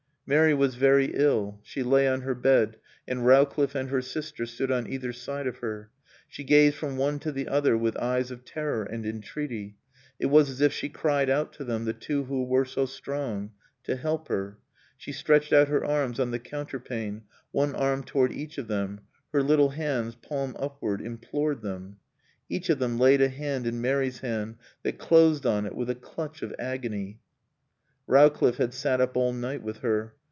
Mary was very ill. She lay on her bed, and Rowcliffe and her sister stood on either side of her. She gazed from one to the other with eyes of terror and entreaty. It was as if she cried out to them the two who were so strong to help her. She stretched out her arms on the counterpane, one arm toward each of them; her little hands, palm upward, implored them. Each of them laid a hand in Mary's hand that closed on it with a clutch of agony. Rowcliffe had sat up all night with her.